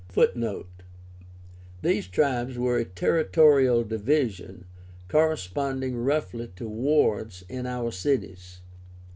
(Footnote: These "tribes" were a territorial division, corresponding roughly to "wards" in our cities.